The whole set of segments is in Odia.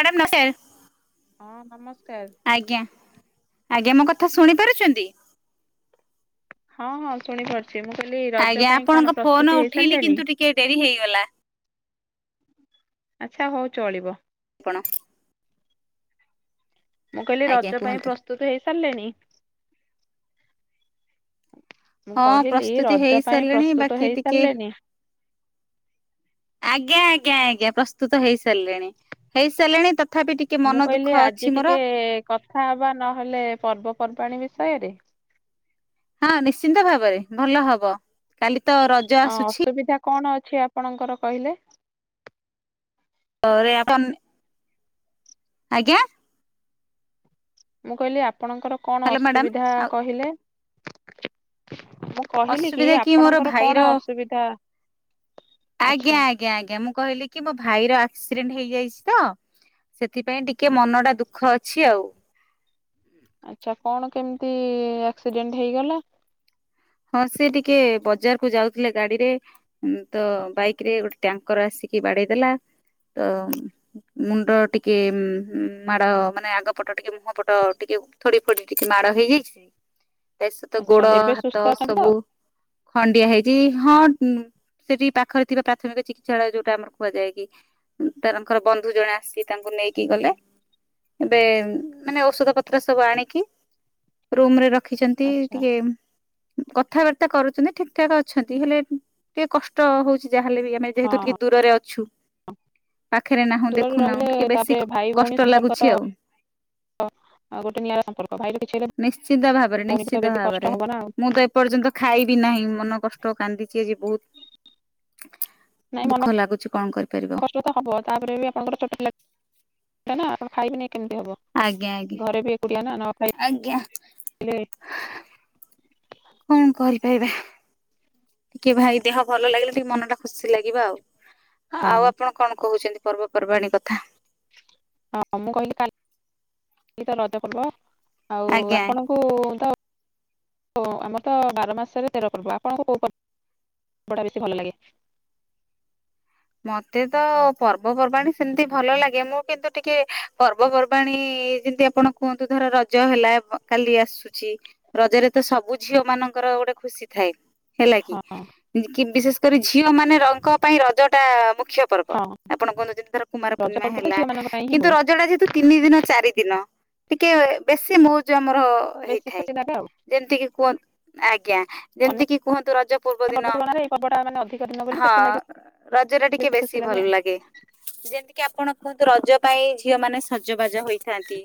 ମ୍ୟାଡ଼ାମ୍ ନସେର୍ ହଁ ନମସ୍କାର। ଆଜ୍ଞା ମୋ କଥା ଶୁଣି ପାରୁଚନ୍ତି? ହଁ ହଁ ଶୁଣିପାରୁ ଆଜ୍ଞା ଆପଣଙ୍କ ଫୋନୋ ଉଠେଇଲିି ସାରିଲେଣି? କିନ୍ତୁ ଟିକେ ଡ଼େରି ହେଇଗଲା। ଆଚ୍ଛା ହୋଉ ଚଳିବ। କଣ? ମୁଁ କହିଲି ଆଜ୍ଞା ରଜ ପାଇଁ କୁହନ୍ତୁ। ପ୍ରସ୍ତୁତୁ ହେଇସ୍ ସାରିଲେଣି। ମୁଁ ହଁ କହିଲି ପ୍ରସ୍ତୁତି ରଜ ପାଇଁ ହେଇସାରିଲେଣି ପ୍ରସ୍ତୁତ ବାକି ଟିକେ ହେଇସାରିଲେଣିି? ଆଜ୍ଞା ଆଜ୍ଞା ଆଜ୍ଞା ପ୍ରସ୍ତୁତ ହେଇ ସାରିଲେଣି ହେଇ ସାରିଲେଣି ତ ମୁଁ କହିଲି ଆଜି ଟିକେ କଥା ହବା ନହେଲେ ପର୍ବପର୍ବାଣୀ ବି ସୟରେ ହଁ ନିଶ୍ଚିନ୍ତ ଭାବରେ ଭଲ ହବ। କାଲି ତ ରଜ ଆସୁଛି। ଛି ଆପଣଙ୍କର କହିଲେ, [unintelligible] ଆଜ୍ଞା ମୁଁ କହିଲି ଆପ ଆପଣଙ୍କର କଣ ହ୍ୟାଲୋ ମ୍ୟାଡାମ ଅସୁବିଧା ଆଉ କହିଲେ। [unintelligible] କହିଲି ଅସୁବିଧା କି ମୋର ଆପଣଙ୍କର କଣ ଭାଇର, ଅସୁବିଧା ଆଚ୍ଛା। ଆଜ୍ଞା ଆଜ୍ଞା ଆଜ୍ଞା ମୁଁ କହିଲି କି ମୋ ଭାଇ ର ଆକ୍ସିଡେଣ୍ଟ ହେଇଯାଇଛି ତ ସେଥିପାଇଁ ଟିକେ ମନ ଟା ଦୁଃଖ ଅଛି ଆଉ। ଆଚ୍ଛା କଣ କେମିତି ଆକ୍ସିଡେଣ୍ଟ ହେଇଗଲା। ହଁ ସେ ଟିକେ ବଜାର କୁ ଯାଉଥିଲେ ଗାଡିରେ ତ ବାଇକ ରେ ଗୋଟେ ଟ୍ୟାଙ୍କର ଆସିକି ବାଡେଇ ଦେେଲା ତ ମୁଣ୍ଡ ଟିକେ ମାଡ ମାନେ ଆଗ ପଟ ଟିକେ ମୁହଁ ପଟ ଟିକେ ଥୋଡି ଫୋଡି ଟିକେ ମାଡ ହେଇଯାଇଛି। ଏ ସ ତ ଆଚ୍ଛା ଗୋଡ ଏବେ ସୁସ୍ଥ ଅଛନ୍ତି ତ? ସବୁ ଖଣ୍ଡିଆ ହେଇଛି। ହଁ ସେଠି ପାଖରେ ଥିବା ପ୍ରାଥମିକ ଚିକିତ୍ସାଳୟ ଯୋଉଟା ଆମର କୁହାଯାଏ କି ତାରଙ୍କର ବନ୍ଧୁ ଜଣେ ଆସିକି ତାଙ୍କୁ ନେଇକି ଗଲେ ଏବେ ମାନେ ଔଷଧ ପତ୍ର ସବୁ ଆଣିକି ରୁମରେ ର ରଖିଛନ୍ତି ଆଚ୍ଛା। ଟିକେ କଥାବାର୍ତ୍ତା କରୁଛନ୍ତି ଠିକ ଠାକ ଅଛନ୍ତି ହେଲେ ଟିକେ କଷ୍ଟ ହଉଛି। ଯାହାହେଲେ ବି ଆମେ ହଁ ଯେହେତୁ ଟିକେ ହଁ ଦୂରରେ ଅଛୁ ପାଖରେ ନାହୁଁ ଦୂରରେ ଦେଖୁନାହୁଁ ରହିଲେ ଟିକେ ବେଶୀ ତାପରେ ଭାଇ ଭଉଣୀ କଷ୍ଟ ସମ୍ପର୍କ ତ ଲାଗୁଛି ଆଉ ଗୋଟେ ନିଆରା ସମ୍ପର୍କ ଭାଇର କିଛି ହେଲେ ନିଶ୍ଚିନ୍ତ ଭାବରେ ଭଉଣୀକୁ ତ ନିଶ୍ଚିନ୍ତ ବେଶୀ କଷ୍ଟ ଭାବରେ ହବ ନା ଆଉ ମୁଁ ତ ଏପର୍ଯ୍ୟନ୍ତ ଖାଇବି ନାହିଁ ମନ କଷ୍ଟ କାନ୍ଦି ବହୁତ ନାଇଁ ମନ ଦୁଃଖ ଲାଗୁଛି କଣ କରିପାରିବ। କଷ୍ଟ ତ ହବ ତାପରେ ବି ଆପଣଙ୍କର ଛୋଟ ପିଲା ନା ଆଉ ଖାଇ ପିନି ଆଜ୍ଞା ଆଜ୍ଞା ନ ଆଜ୍ଞା ଖାଇଲେ କଣ କହିଲ? ଟିକେ ଭାଇ ଦେହ ଭଲ ଲାଗିଲା ଟିକେ ମନ ଟା ଖୁସି ଲାଗିବ ଆଉ। ହଁ ଆଉ ଆପଣ କଣ କହୁଛନ୍ତି। ପର୍ବପର୍ବାଣୀ କଥା ହଁ ମୁଁ କହିଲି କାଲି ତ ରଜ ପର୍ବ ଆଉ ଆଜ୍ଞା ଆଜ୍ଞା ଆପଣଙ୍କୁ ତ ଆମର ତ ବାର ମାସରେ ତେର ପର୍ବ ଆପଣଙ୍କୁ କୋଉା ପର୍ବଟା ବେଶୀ ଭଲ ଲାଗେ? ମତେ ତ ପର୍ବପର୍ବାଣୀ ସେମିତି ଭଲ ଲାଗେ ମୁଁ କିନ୍ତୁ ଟିକେ ପର୍ବପର୍ବାଣୀ ଯେମତି ଆପଣ କୁହନ୍ତୁ ଧର ରଜ ହେଲା କାଲି ଆସୁଛି ରଜରେ ତ ସବୁ ଝିଅ ମାନଙ୍କର ଗୋଟେ ଖୁସି ଥାଏ। ହେଲା ହଁ କି କି ବିଶେଷ ଝିଅ ମାନେ ରଙ୍କ ପାଇଁ ରଜ ଟା ମୁଖ୍ୟ ପର୍ବ, ହଁ ଆପଣ କୁହନ୍ତୁ ଧର କୁମାର ରଜ ପୂର୍ଣ୍ଣିମା ପର୍ବ ତ ହେଲା, ଝିଅ ମାନଙ୍କ ପାଇଁ ହିଁ କିନ୍ତୁ ହୁଏ ରଜ ଟା ଯେହେତୁ ତିନି ଦିନ, ଚାରି ଦିନ ଟିକେ ବେଶୀ ମଉଜ ଆମର ବେଶୀ ହେଇଥାଏ, ଖୁସି ଲାଗେ ଆଉ ଯେମିତିକି କୁହ, ଆଜ୍ଞା, ଅନ୍ୟ ଯେମିତି କିି କୁହନ୍ତୁ, ରଜ ପୂର୍ବ ଦିନ ପର୍ବ ତୁଳନାରେ ଏଇ ପର୍ବଟା ମାନେ ଅଧିକ ଦିନ ବୋଲି ହଁ, ସେଥିଲାଗି ରଜ ଟା ଟିକେ ବେଶୀ ଭଲ ଲାଗେ, ଯେମିତିକି ଆପଣ କୁହନ୍ତୁ, ରଜ ପାଇଁ, ଝିଅ ମାନେ ସଜ ବାଜ ହୋଇଥାନ୍ତି,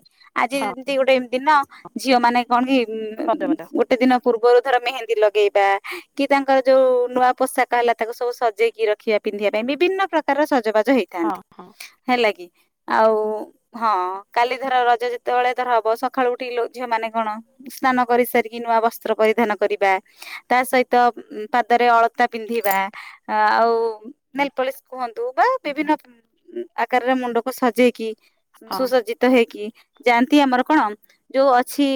ଆଜି ହଁ ଯେମିତି ଗୋଟେ ଦିନ, ଝିଅ ମାନେ କଣ କି ହ ଦେବା ଦେ [inaudible] ଗୋଟେ ଦିନ ପୂର୍ବରୁ ଧର ମେହେନ୍ଦୀ ଲଗେଇବା, କି ତାଙ୍କର ଯୋଉ ନୂଆ ପୋଷାକ ହେଲା, ତାକୁ ସବୁ ସଜେଇକି ରଖିବା, ପିନ୍ଧିବା ପାଇଁ, ବିଭିନ୍ନ ପ୍ରକାରର ସଜ ବା ଜ ହଁ ହେଇଥାନ୍ତି, ହଁ ହେଲା କିି ଆଉ ହଁ, କାଲି ଧର ରଜ ଯେତେବେଳେ ଧର ହବ, ସକାଳୁ ଉଠି ଝିଅ ମାନେ କଣ ସ୍ନାନ କରି ସାରିକି, ନୂଆ ବସ୍ତ୍ର ପରିଧାନ କରିବା, ତା ସହିତ ପାଦରେ ଅଳତା ପିନ୍ଧିବା ଆଉ ନେଲ ପଳିସ କୁହନ୍ତୁ ବା ବିଭିନ୍ନ ଆକାରରେ ମୁଣ୍ଡକୁ ସଜେଇକି ହଁ। ସୁସଜ୍ଜିତ ହେଇକି ଯାଆନ୍ତି ଆମର କଣ ଯୋଉ ଅଛି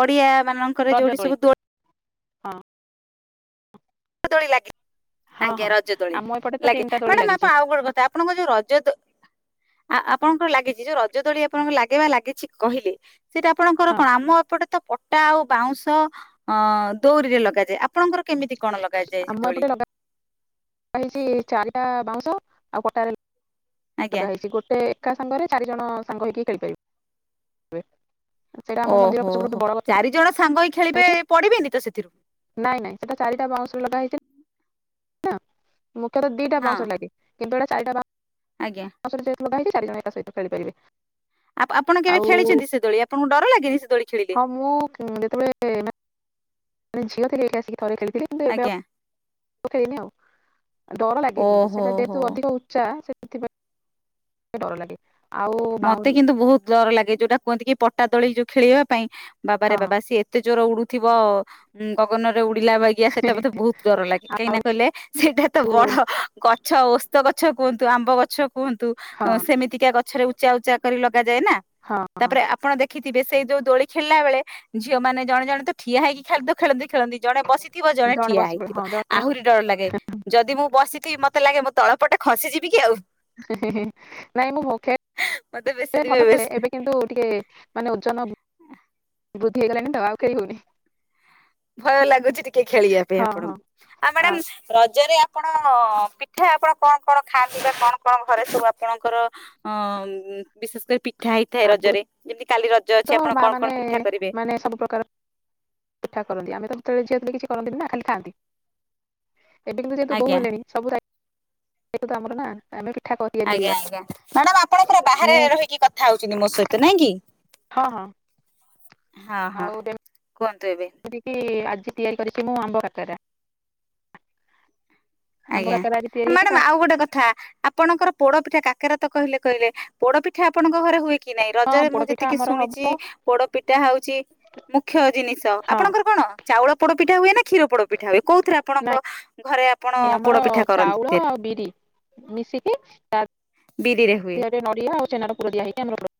ପଡିଆ ମାନଙ୍କର ରଜ ଯୋଉଠି ଦୋଳି ସବୁ ଦୋ ହଁ, ଦୋଳି ଲାଗି ହଁ ଆଜ୍ଞା ହଁ ରଜଦୋଳି ଆମ ଏପଟେ ତ ଲାଗେ ତିନିଟା ଦୋଳି ମ୍ୟାଡାମ ଲାଗିଛି ଆପଣ ଆଉ ଗୋଟେ କଥା ଆପଣଙ୍କ ଯୋଉ ରଜ ଦୋ ଆ ଆପଣଙ୍କର ଲାଗିଛି ଯୋଉ ରଜ ଦୋଳି ଆପଣଙ୍କୁ ଲାଗେ ବା ଲାଗିଛି କହିଲେ ସେଇଟା ଆପଣଙ୍କର ହଁ କଣ ଆମ ଏପଟେ ତ ପ ଟା ଆଉ ବାଉଁଶ ଅ ଦୋଉରିରେ ଲଗାଯାଏ। ଆପଣଙ୍କର କେମିତି? କଣ ଲଗା ଯାଏ ସେ ଆମ ଦୋଳି? ଏପଟେ ଲଗା ହେଇଛି ଚାରିଟା ବାଉଁଶ ଆଉ ପଟାରେ ଆଜ୍ଞା ଲଗାହେଇଛି ଗୋଟେ ଏକା ସାଙ୍ଗରେ ଚାରି ଜଣ ସାଙ୍ଗ ହେଇକି ଖେଳିପାରିବେ। ସେଇଟା ଆମ ମନ୍ଦିର ଓହୋ, ପଛପଟେ ଗୋଟେ ହୋ ବଡ ଗଛ ଚାରିଜଣ ସାଙ୍ଗ ହେଇ ଖେଳିବେ ଅଛି ପଡିବେନି ତ ସେଥିରୁ? ନାଇଁ ନାଇଁ [unintelligible] ମୁଖ୍ୟତ ଦିଟା ହଁ ବାଉଁଶ ଲାଗେ କିନ୍ତୁ ଏଟା ଚାରିଟା ବା ଆଜ୍ଞା [unintelligible] ଚାରି ଜଣ ଏକା ସହିତ ଖେଳି ପାରିବେ? ଆପଣ କେବେ ଖେଳିଛନ୍ତି ସେ ଦୋଳି ଆପଣଙ୍କୁ ଡର ଲାଗେନି ସେ ଦୋଳି ଖେଳିଲେ। ହଁ ମୁଁ ଯେତେବେଳେ ମାନେ ଝିଅ ଟେ ହେଇକି ଆଶିକି ଥରେ ଖେଳିଥିଲି କିନ୍ତୁ ଏବେ ଆଜ୍ଞା ଆଉ ଖେଳିନି ଆଉ ଡର ଲାକେ କିନ୍ତୁ ଓହୋ ସେଟା ଯେହେତୁ ହୋ। ଅଧିକ ଉଚ୍ଚା ଏଥିପାଇଁ ଡରଲାଗେ। ମତେ କିନ୍ତୁ ବହୁତ ଡର ଲାଗେ। ଯୋଉଟା କୁହନ୍ତି କି ପଟା ଦୋଳି ଯୋଉ ଖେଳିବା ପାଇଁ ବାବାରେ ବାବା ହଁ ସିଏ ଏତେ ଜୋର ଉଡୁଥିବ ଗଗନ ରେ ଉଡୁ ପିଲା ବାଗିଆ ସେଇଟା ମତେ ବହୁତ ଡର ଲାଗେ ଆଉ କାହିଁକି କହିଲେ ସେଇଟା ତ ବଡ ଗଛ ଓସ୍ତ ଗଛ। ଗଛ କୁହନ୍ତୁ ଆମ୍ବ ଗଛ କୁହନ୍ତୁ ହଁ ସେମିତିକା ଗଛରେ ଉଚ୍ଚା ଉଚ୍ଚା କରି ଲଗାଯାଏ ନା ନା ହଁ ହଁ ତାପରେ ଆପଣ ଦେଖ ଦେଖିଥିବେ ସେଇ ଯୋଉ ଦୋଳି ଖେଳିଲା ବେଳେ ଝିଅ ମାନେ ଜଣେ ଜଣେ ତ ଠିଆ ହେଇକି ଖେଳି ତ ଖେଳି ଖେଳନ୍ତି ଜଣେ ବସିଥିବ ଜଣେ ଠିଆ ବସି ପଡିବ ହେଇଥିବ। ହଁ ଜଣେ ଆହୁରି ଡର ଲାଗେ ଯଦି ମୁଁ ବସିଥିବି ମତେ ଲାଗେ ମୁଁ ତଳ ଏପଟେ ଖସିଯିବି କି ଆଉ। ନାଇଁ ମୁଁ ଭୋକେ ମତେ ବେଶୀ ଖେଳେ ଦିବେ ଭଲ ବେଶୀ ଖେଳେ ଏବେ କିନ୍ତୁ ଟିକେ ମାନେ ଓଜନ ବୁଦ୍ଧି ହେଇଗଲାଣି ତ ଆଉ ଖେଳି ହଉନି। ଭୟ ଲାଗୁଛି ଟିକେ ଖେଳିବା ପାଇଁ ହଁ ହଁ ଆପଣଙ୍କୁ ଆଉ ମ୍ୟାଡାମ ରଜରେ ଆପଣ ପିଠା ଆପଣ କଣ କଣ ଖାଆନ୍ତି ବା କଣ କଣ ଘରେ ସବୁ ଆପଣଙ୍କର ଅ ବିଶେଷ କରି ପି ଠା ହେଇଥାଏ ଆଗରୁ ରଜରେ ଯେମିତି କାଲି ରଜ ତ ଅଛି ଆପଣ ମା କଣ ମାନେ କଣ ପିଠା କରିବେ? ମାନେ ସବୁ ପ୍ରକାର ପିଠା କରନ୍ତି ଆମେ ତ ସେତେବେଳେ ଝିଅ ଥିଲୁ କିଛି କରନ୍ତିିନି ନା ଖାଲି ଖାଆନ୍ତି। ଏବେ କିନ୍ତୁ ଯେହେତୁ ବୋହୂ ଆଜ୍ଞା ହେଲେଣି ସବୁ ଦାୟୀ ତ୍ଵ ଆମର ନା ଆମେ ପିଠା କରି ତିଆରି ଆଜ୍ଞା କରିବା ଆଜ୍ଞା ମ୍ୟାଡାମ ଆପଣଙ୍କର ବାହାରେ ମୁଁ ରହିକି କଥା ହଉଛନ୍ତି ମୋ ସହିତ ନାଇଁ କି। ହଁ ହଁ ହଁ ହଁ। କୁହନ୍ତୁ ଏବେ। ସେଠିକି ତିଆରି କରିଛି ମୁଁ ଆମ୍ବ କାକରା। ଆମ୍ବ ଆଜ୍ଞା କାକରା ଆଜି ତିଆରି ହେଇଛି ମ୍ୟାଡାମ ତା- ଆଉ ଗୋଟେ କଥା ଆପଣଙ୍କର ପୋଡ ପିଠା କାକରା ତ କହିଲେ କହିଲେ ପୋଡ଼ ପିଠା ଆପଣଙ୍କ ଘରେ ହୁଏ କି ନାଇଁ ହଁ ରଜରେ ମୁଁ ପୋଡପିଠା ଯେତିକି ଆମର ହବ ଶୁଣିଛି ପୋଡ ପିଠା ହଉଛି ମୁଖ୍ୟ ଜିନିଷ ହଁ ଆପଣଙ୍କର କଣ ଚାଉଳ ପୋଡ଼ ପିଠା ହୁଏନା କ୍ଷୀର ପୋଡ ପିଠା ହୁଏ କୋଉଥିରେ ଆପଣଙ୍କ ନାଇଁ ଘରେ ଆପଣ ଆମର ପୋଡପିଠା କରନ୍ତି ଚାଉଳ ତିଆରି ଆଉ ବିରି ମିଶିକି ତା ବିରିରେ ହୁଏ ଦେହରେ ନଡିଆ ଆଉ ଛେନାର ପୁର ଦିଆ ହେଇକି ଆମର ପୋଡ଼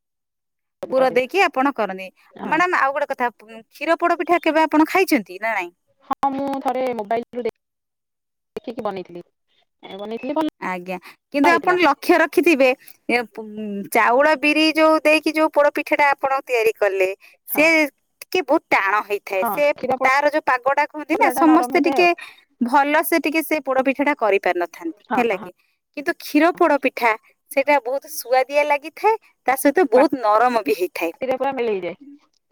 ପୁର ଦେଇକି ଆପଣ କରନ୍ତି ହଁ ମ୍ୟାଡାମ ଆଉ ଗୋଟେ କଥା କ୍ଷୀର ପୋଡ ପିଠା କେବେ ଆପଣ ଖାଇଛନ୍ତି ନା ନାଇଁ? ହଁ ମୁଁ ଥରେ ମୋବାଇଲରୁ ଦେଖିକି ବନେଇଥିଲି। ବନେଇଥିଲି ଭଲ ଆଜ୍ଞା କିନ୍ତୁ ଆପଣ ହେଇଥିଲା ଲକ୍ଷ୍ୟ ରଖିଥିବେ ଉ ଚାଉଳ ବିରି ଯୋଉ ଦେଇକି ଯୋଉ ପୋଡ ପିଠା ଟା ଆପଣ ତିଆରି କଲେ ସେ ହଁ କି ବହୁତ ଟାଣ ହେଇଥାଏ ହଁ ସେ କ୍ଷୀର ପୋଡ ତାର ଯୋଉ ପାଗ ଟା କୁହନ୍ତି ନା ପିଠା ଟା ନରମ ସମସ୍ତେ ହେଇଥାଏ ଟିକେ ଆଉ ଭଲ ସେ ଟିକେ ସେ ପୋଡ଼ପିଠା ଟା କରିପାରନ ହଁ ହେଲା ହଁ କି କିନ୍ତୁ କ୍ଷୀର ପୋଡ ପିଠା ସେଇଟା ବହୁତ ସୁଆଦିଆ ଲାଗିଥାଏ। ତା ସହିତ ବହୁତ ନରମ ବି ହେଇଥାଏ ପାଟିରେ ପୁରା ମିଳେଇଯାଏ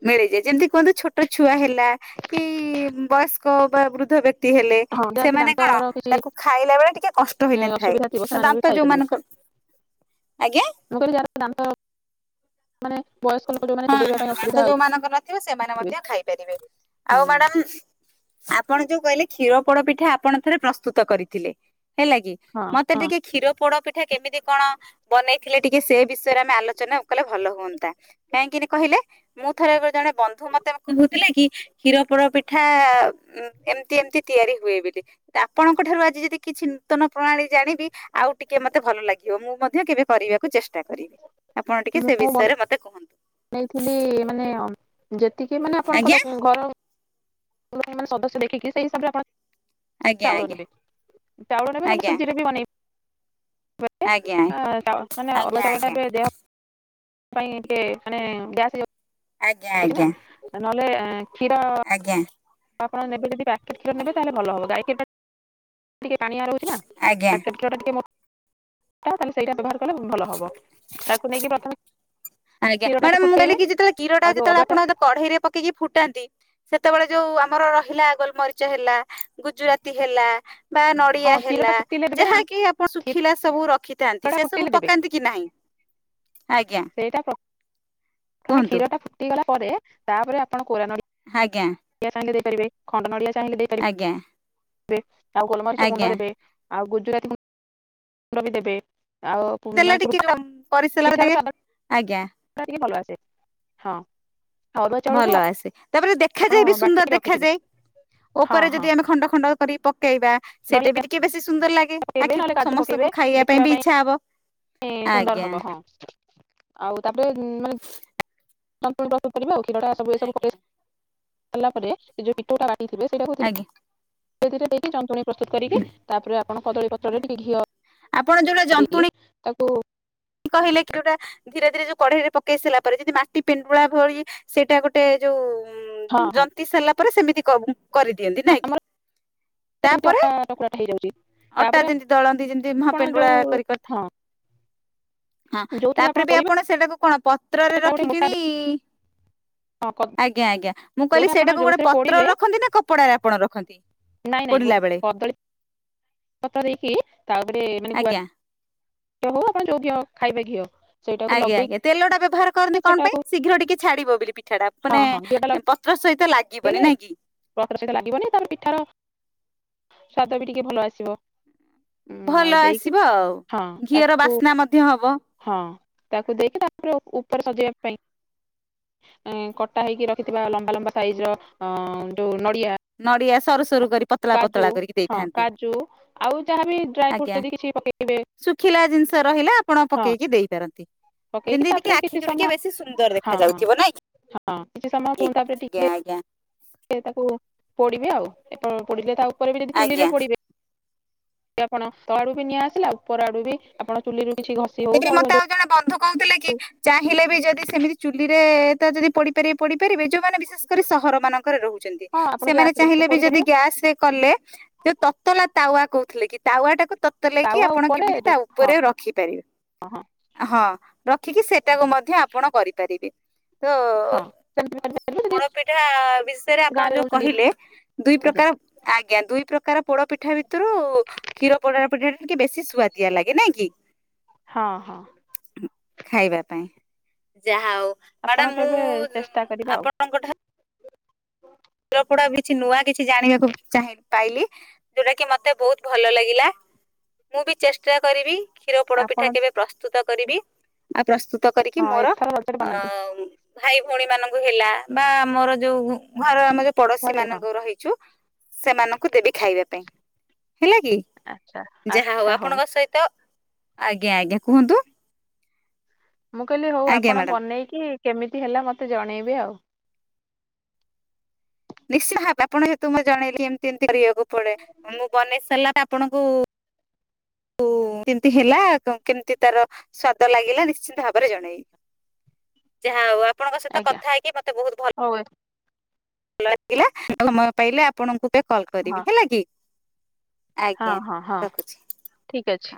ମିଳିଯାଇ ଯେମିତି କୁହନ୍ତୁ ଛୋଟ ଛୁଆ ହେଲା କି ବୟସ୍କ ବା ବୃଦ୍ଧ ବ୍ୟକ୍ତି ହେଲେ ହଁ ଯାହାର ବି ସେମାନେ କଣ ତାକୁ ଖାଇଲା ବେଳେ ଟିକେ କଷ୍ଟ ଯେ ହେଇନଥାଏ ଅସୁବିଧା ଥିବ ସେମାନେ ବି ଦାନ୍ତ ଖାଇପାରିବେ ଯୋଉମାନଙ୍କର ଆଜ୍ଞା ମୁଣ କରିବି ଯାହାର ଦାନ୍ତ ମାନେ ବୟସ୍କ ଲୋକ ଯୋଉମାନେ ହଁ ଚୋବେଇବା ପାଇଁ ହଁ ଅସୁବିଧା ଦନ୍ତ ଯୋଉ ମଙ୍କର ନଥିବ ସେମାନେ ହଉଥିବେ ମଧ୍ୟ ଖାଇପାରିବେ ଆଉ ହୁଁ ମ୍ୟାଡାମ ଆପଣ ଯୋଉ କହିଲେ କ୍ଷୀର ପୋଡ ପିଠା ଆପଣ ଥରେ ପ୍ରସ୍ତୁତ କରିଥିଲେ। ହେଲା କି ହଁ ମତେ ହଁ ଟିକେ କ୍ଷୀର ପୋଡ ଏା କେମିତି କଣ ବନେଇଥିଲେ ଟିକେ ସେ ବିଷୟରେ ଆମେ ଆଲୋଚନା କଲେ ଭଲ ହୁଅନ୍ତା। କାହିଁକନା କହିଲେ ମୁଁ ଥର ଜଣେ ବନ୍ଧୁ ମତେ କହୁଥିଲେ କି କ୍ଷୀର ପୋଡ ପିଠା ଏମିତି ଏମିତି ତିଆରି ହୁଏ ବୋଲି ଆପଣଙ୍କ ଠାରୁ ଆଜି ଯଦି କିଛି ନୂତନ ପ୍ରଣାଳୀ ଜାଣିବି ଆଉ ଟିକେ ମତେ ଭଲ ଲାଗିବ ମୁଁ ମଧ୍ୟ କେବେ କରିବାକୁ ଚେଷ୍ଟା କରିବି। ଆପଣ ଟିକେ ସେ ବିଷୟରେ ମତେ କୁହନ୍ତୁ। ନେଇଥିଲି ମାନେ ଯେତିକି ମାନେ ଆପଣଙ୍କ ଆଜ୍ଞା ଲୋ ଘର ସଦସ୍ୟ ଦେଖିକି ସେଇ ହିସାବରେ ଆପଣ ଆଜ୍ଞା ଚାଉଳ ନେ ବି ଚାଉଳ ନେବେ ନହେଲେ ଆଜ୍ଞା ସୁଜିରେ ବି ବନେଇ ଆଜ୍ଞା ଆଜ୍ଞା ଆଜ୍ଞା ମାନେ ଅରୁଆ ଆଜ୍ଞା ଆଜ୍ଞା ଚାଉଳ ଟା ବି ଦେହ ପାଇଁ ମ ଗ୍ୟାସ ଆଜ୍ଞା ଛ ନା ଆଜ୍ଞା ନହଲେ କ୍ଷୀର ଆଜ୍ଞା। ଆପଣ ନେବେ ଯଦି ପ୍ୟାକେ୍ଷୀର ନେବେ ତାହେଲେ ଭଲ ହେବ ଗାଈ କେ [unintelligible] ଟିକେ ପାଣିଆ ରଉଛି ନା ପେ ଆଜ୍ଞା। ଟା ଟିକେ [unintelligible] ତା ତାହଲେ ସେଇଟା ଘର [unintelligible] କଲେ ଭଲ ହବ। ତାାକୁ ନେଇକି ପ୍ରଥମ ଆଜ୍ଞା ମ୍ୟାଡାମ ମୁଁ କହିଲି ଯେତବେଳେ କଷୀଟା ଆଉ ଯୋଉ ଯେତେବେଳେ ଅରୁଆ ଟା ଆପଣ କଢେଇରେ ପକି ଫୁଟାନ୍ତି ସେତେବେଳେ ଯୋଉ ଆମର ରହିଲା ଗୋଲମରିଚ ହେଲା ଗୁଜୁରାତି ହେଲା। ବା ହଁ ନଡିଆ କ୍ଷୀର ଟା ହେଲା ଫୁଟିଲେ ଦେବେ ନା ଯାହାକି ଆପଣ କ୍ଷୀର ଶୁଖିଲା ସବୁ ରଖି ଥାନ୍ତି ଟା ସେ ଫୁଟିଲେ ସବୁ ଦେବେ ପକାନ୍ତି କି ନାହିଁ। ଆଜ୍ଞା। ତମେ କୁହନ୍ତୁ। କ୍ଷୀ ଟା ଫୁଟିଗ ଗଲା ପରେ ତାପରେ ଆପଣ କୋ [unintelligible] ଆେ କେ ସାଙ୍ଗ ପିବେ କଟ ନିଲ [unintelligible] ଚାଙ୍ଗ ଦେଇ [unintelligible] ଆଜ୍ଞା ସେ ଆଉ ଗୋଲମରିଚ ଗୁଣ୍ଡ ଆଜ୍ଞା ଦେବେ ଆଉ ଗୁଜୁରାତି ମୁଣ୍ଡ ବି ଦେବେ। ଆଉ ଦେଲେ ମାନେ ଟିକେ ପରିସର ଟିକେ ଆଜ୍ଞା। ଟ ଟିକେ ଭଲ ଆସେ ହଁ ଅରୁଆ ଚାଉଳକୁ ଭଲ ଆସେ ତାପରେ ଆପଣ ଦେଖାଯାଏ ବି! ସୁନ୍ଦର ବାଟିକି ରଖିଥିବେ ଦେଖାଯାଏ ହଁ ଉପରେ ହଁ ଯଦି ଆମେ ଖଣ୍ଡ ଖଣ୍ଡ କରି ପକେଇବା ସେଟା ବି ନଡ଼ିଆ ଟିକେ ବେଶି ସୁନ୍ଦର ଲାଗେ ପକେଇବେ ଆଖିକୁ ନହେଲେ କାଜୁ ପକେଇବେ ସମସ୍ତଙ୍କୁ ଖାଇବା ପାଇଁ ଦେଖିବା ବି ଇଚ୍ଛା ହବ? ସୁନ୍ଦର ଆଜ୍ଞା ହବ ହଁ ଆଉ ତାପରେ ମାନେ ସମ୍ପଣ ବଶୁ ପାରିବ ଆଉ କି? ଚା ସବୁ ଏ ସବୁ ଖ ଆଜ୍ଞା ାରିଲ ପରେ ସେ ଯୋଉ ପଟାା [unintelligible] ଥିବେ ସେଇଟା କ [unintelligible] ଆଜ୍ଞା ସେ ଦିଟ ଦେଖି ଯନ୍ତ୍ରଣ [unintelligible] ପ୍ରସ୍ତୁତ କରିକି ତାପରେ କଣ କଦଳୀ ପତ୍ରରେ ଟିକେ ଘିଅ ଆପଣ ଯୋଉଟା ଦେଇକି ଯନ୍ତୁଣୀ ତାକୁ ଧୀରେ ଧୀରେ ଯୋଉ କଢେଇରେ ପକେଇ ସାରିଲା ପରେ ଯଦି ମାଟି ପେଣ୍ଡୁଳା ଭଳି ସେଇଟା ଗୋଟେ ଯୋଉ ହଁ ହଁ ଜନ୍ତି ସାରିଲା ପରେ ସେମିତି କବୁ କରିଦିଅନ୍ତି ନାଇଁ କି ଆମର ଯେମିତି ତାପରେ ଅଟା ଚକୁଡାଟା ହେଇଯାଉଛି ଅଟା ତାପରେ ଯେମିତି ଦଳନ୍ତି ଯେମତି ଆପଣ ମହାପେଣ୍ଡୁଳା ଯୋଉ କରି କରି ହଁ ହଁ ଯୋଉଥିରେ ତାପରେ ବି ପୋଡିବେ ଆପଣ ସେଟାକୁ କଣ ପତ୍ରରେ ସେଟା ଗୋଟେ ମୋଟା ରଖିକିରି ହଁ କ ଆଜ୍ଞା ଆଜ୍ଞା। ମୁଁ କହିଲି ଯୋଉଟା ଆପଣ ସେଇଟାକୁ କଣ ଯୋଉଥିରେ ପତ୍ରରେ ପୋଡିବେ ରଖନ୍ତି ନା କପଡାରେ ଆପଣ ରଖନ୍ତି ପୋଡିଲା ବେଳେ? କ ଦେଇକି ତାଉପରେ ମାନେ ଗୁଆ ଆଜ୍ଞା ଘି ଅ ହଉ ଆପଣ ଯୋଉ ଘିଅ ଖାଇବା ଘିଅ। ସେଇଟାକୁ ଆଜ୍ଞା ଆଜ୍ଞା ଲଗେଇକି ତେଲ ଟା ବ୍ୟବହାର କରନ୍ତି କଣ ପାଇଁ ସେଟାକୁ ଶୀଘ୍ର ଟିକେ ଛାଡିବ ବୋଲି ପିଠାଟା ମାନେ ପତ୍ର ସହିତ ଲାଗ୍ ହେଲେ ପତ୍ର ସହିତ ଲାଗିବନି ତାର ପିଠାର ସ୍ବାଦ ବି ଟିକେ ଭଲ ଆସିବ। ଉଁ ଆଉ ଭଲ ଦେଇକି ଆସିବ ଆଉ ହଁ ଘିଅର ତାକୁ ବାସ୍ନା ମଧ୍ୟ ହବ। ହଁ ତାକୁ ଦେଇକି ତାପରେ ଉପରେ ସଜେଇବା ପାଇଁ କଟା ହେଇକି ରଖିଥିବା ଲମ୍ବା ଲମ୍ବା ସାଇଜ ର ଯୋଉ ନ ନଡ଼ିଆ ଶ୍ ସରୁ ସରୁ କରି ପତଳା ପତଳା କରିକି ହଁ ଦେଇଥାନ୍ତି କାଜୁ ଆଉ ଯାହାବି ଡ୍ରାଇ ଫ୍ରୁଟସ୍ ଆଜ୍ଞା ଯଦି କିଛି ପକେଇବେ ଶୁଖିଲା ଜିନିଷ ରହିଲା। ଆପଣ ହଁ ପକେଇକି ଦେଇ ପାରନ୍ତି। ପକେଇକି ଯେମିତି ଟିକେ ତାପରେ କିଛି ଆଖିକୁ ଟିକେ ସମୟ ବେଶି ସୁନ୍ଦର ହଁ ଦେଖା ହଁ ଯାଉଥିବ ନାଇକି ହଁ ଆଜ୍ଞା ଆଜ୍ଞା। ସେ ତାକୁ ପୋଡିବେ ଆଉ ପୋଡିଲେ ତ ଉପରେ ବି ଯଦି ଚୁଲି ରେ ଆଜ୍ଞା ପୋଡିବେ। ଆପଣ ତଳ ଆଡୁ ବି ନଆଁ ଆସିଲା ଉପର ଆଡୁ ବି ଆପଣ ଚୁଲିରୁ କିଛି ଘଷି ହଉ ତେବେ ବା ମତେ ଯୋଉ ଆଉ ଜଣେ ବନ୍ଧୁ କହୁଥିଲେ କି ଚାହିଁଲେ ବି ଯଦି ସେମିତି ଚୁଲିରେ ଯଦି ପୋଡି ପାରିବେ ପୋଡ଼ି ପାରିବେ ଯୋଉ ଯୋଉମାନେ ବିଶ୍ୱାସ କରିବେ ସହର ମାନଙ୍କରେ ରହୁଛନ୍ତି ହଁ ଆପଣ ସେମାନେ ଗ୍ୟାସରେ ଚାହିଁଲେ ବି ପୋଡି ଯଦି ପାରିବେ ଗ୍ୟାସ ରେ କଲେ ଯୋ ତତଲା ତାୱା କହୁଥିଲେ କି ତାୱା ଟାକୁ ତତଲେଇକି ଆପଣ କେମିତି ତା ଉପରେ ରଖିପାରିବେ। ହ ହଁ। ହଁ। ରଖିକି ସେଟାକୁ ମଧ୍ୟ ଆପଣ କରିପାରିବେ। ତ ହଁ ସେମିତି ବି କରିପାରିବେ ଯଦି ପୋଡ ପିଠା ବିଷୟରେ ଆପଣ ଗାଁରେ ଯୋଉ ରହୁଛନ୍ତି କହିଲେ ଦୁଇ ଆଜ୍ଞା ପ୍ରକାର ଆଜ୍ଞା ଦୁଇ ପ୍ରକାର ପୋଡ ପିଠା ଭିତରୁ କ୍ଷୀର ପୋଡା ପିଠା ଟା ଟିକେ ବେଶି ସୁଆଦିଆ ଲାଗେ ନାଇଁ କି? ହଁ, ହଁ। ଖାଇବା ପାଇଁ ଯାହା ଆଉ ଆପଣ ମ୍ୟାଡ଼ାମ କେବେ ମୁଁ ଆପଣଙ୍କଠାରୁ ହ [unintelligible] କିଛି ନୂଆ କିଛି ଜାଣିବାକୁ ଚାହିଁଲି ପାଇଲି ଯୋଉଟା କି ମତେ ବହୁତ ଭଲ ଲାଗିଲା ମୁଁ ବି ଚେଷ୍ଟା କରିବି। କ୍ଷୀର ପୋଡ ପିଠା ଆପଣ କେବେ ପ୍ରସ୍ତୁତ କରିବି ଆଉ ପ୍ରସ୍ତୁତ କରିକି ହଁ ମୋର ଏଥର ରଜରେ ଅ ବନାନ୍ତୁ ଭାଇ ଭଉଣୀ ମାନଙ୍କ ହେଲା ବା ଆମର ଯୋଉ ଘର ଆମ ଯୋଉ ପଡୋଶୀ ଘରେ ହଁ ମାନଙ୍କର ରହିଛୁ ସେମାନଙ୍କୁ ଦେବି ଖାଇବା ପାଇଁ। ହେଲା କି ଆଚ୍ଛା ଯାହା ହଉ ଆଚ୍ଛା ଆପଣଙ୍କ ସହିତ ଆଜ୍ଞା ଆଜ୍ଞା କୁହନ୍ତୁ। ମୁଁ କହିଲି ହଉ ଆଜ୍ଞା ଆପଣ ମ୍ୟାଡାମ ବନେଇକି କେମିତି ହେଲା ମତେ ମତେ ଜଣେଇବେ ଆଉ। ନିଶ୍ଚୟ ଭାବେ ଆପଣ ଯେହେତୁ ମତେ ଜଣେଇଲି ଏମିତି ଏମତି କରିବାକୁ ପଡେ ମୁଁ ବନେଇ ସରିଲାରେ ଆ ଆପଣଙ୍କୁ ଉ କେମତି ହେଲା କେମିତି ତାର ସ୍ଵାଦ ଲାଗିଲା ନିଶ୍ଚିନ୍ତ ଭାବରେ ଜଣେଇବି ଯାହା ହୋଉ। ଆପଣଙ୍କ ସହିତ ଆଜ୍ଞା କଥା ହେଇକି ମୋତେ ବହୁତ ଭଲ ହଉ [inaudible] [unintelligible] ପାଇଲେ ଆପଣଙ୍କୁ ଏବେ କଲ୍ କରିବି ହଁ ହେଲା କି। ହଁ ଆଜ୍ଞା ହଁ ହଁ ରଖୁଛି। ଠିକ ଅଛି।